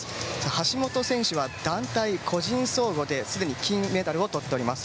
橋本選手は団体、個人総合ですでに金メダルをとっています。